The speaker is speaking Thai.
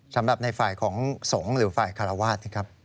สำหรับในฝ่ายของสงฆ์หรือฝ่ายคารวาสนะครับ